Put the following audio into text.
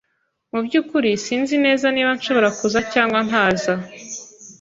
Mubyukuri, sinzi neza niba nshobora kuza cyangwa ntaza.